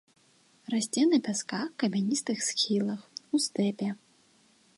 Расце на пясках, камяністых схілах, у стэпе.